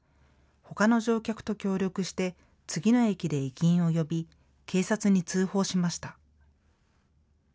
ほかの乗客と協力して次の駅で駅員を呼び警察に通報しました。